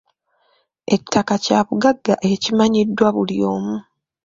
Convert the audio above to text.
Ettaka kyabugagga ekimanyiddwa buli omu.